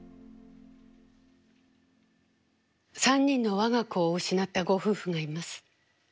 ３人の我が子を失ったご夫婦がいます。